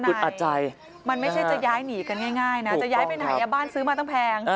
อัดใจมันไม่ใช่จะย้ายหนีกันง่ายนะจะย้ายไปไหนบ้านซื้อมาตั้งแพง